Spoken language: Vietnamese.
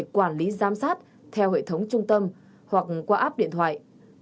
quản lý giám sát theo hệ thống trung tâm hoặc qua app điện thoại